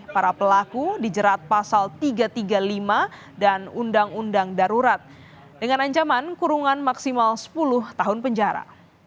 para pelaku dijerat pasal tiga ratus tiga puluh lima dan undang undang darurat dengan ancaman kurungan maksimal sepuluh tahun penjara